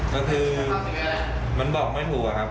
ก็คือมันบอกไม่ถูกอะครับ